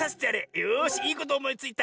よしいいことおもいついた！』」。